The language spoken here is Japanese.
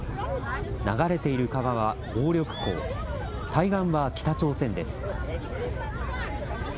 流れている川は鴨緑江、対岸は北朝鮮です。